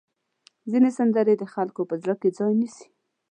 ځینې سندرې د خلکو په زړه کې ځای نیسي.